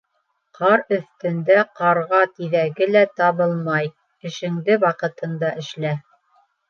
Ҡар өҫтөндә ҡарға тиҙәге лә табылмай, эшеңде ваҡытында эшлә.